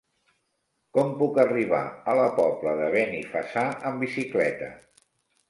Com puc arribar a la Pobla de Benifassà amb bicicleta?